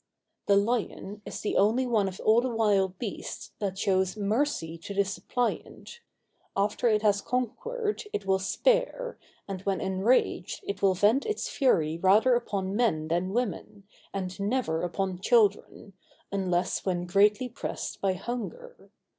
The lion is the only one of all the wild beasts that shows mercy to the suppliant; after it has conquered, it will spare, and when enraged, it will vent its fury rather upon men than women, and never upon children, unless when greatly pressed by hunger.